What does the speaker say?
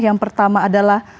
yang pertama adalah